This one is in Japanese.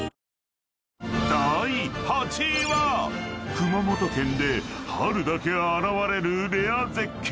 ［熊本県で春だけ現れるレア絶景］